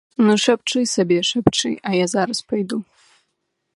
Ну, шапчы сабе, шапчы, а я зараз пайду.